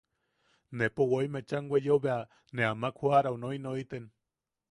Nepo woi mecham weyeo bea ne amak joʼarau noinoiten.